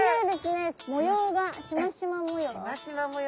模様がしましま模様。